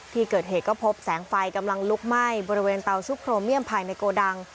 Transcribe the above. ที่เกิดเหตุก็พบแสงไฟกำลังลุกไหม้บริเวณเตาชุบโครเมียมภายในโกดัง